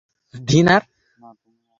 পা ব্যথা করছে।